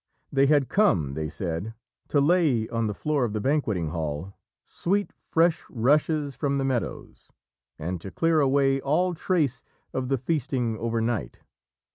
They had come, they said, to lay on the floor of the banqueting hall, sweet, fresh rushes from the meadows, and to clear away all trace of the feasting overnight.